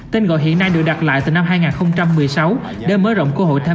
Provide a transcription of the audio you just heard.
tên gọi hiện nay được đặt lại từ năm hai nghìn một mươi sáu để mới rộng cơ hội